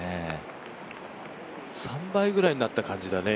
３倍ぐらいになった感じだね